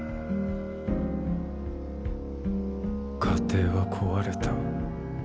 家庭は壊れた。